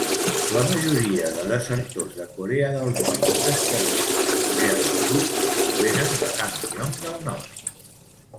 La majoria de desertors de Corea del Nord que s'estableixen a Corea del Sud provenen de Hamgyong del Nord.